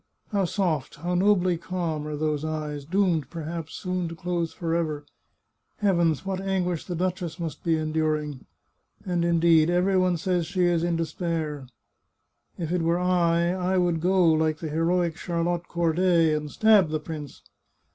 How soft, how nobly calm, are those eyes, doomed, perhaps, soon to close forever! Heavens, what anguish the duchess must be enduring! ... And, indeed, every one says she is in despair. ... If it were I, I would go, like the heroic Charlotte Corday, and stab the prince."